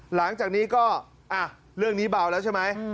หลังจากนี้ก็เรื่องนี้เบาแล้วใช่ไหม